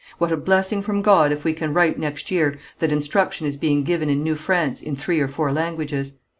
What a blessing from God if we can write next year that instruction is being given in New France in three or four languages.